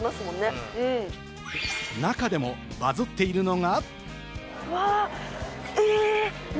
中でもバズっているのが。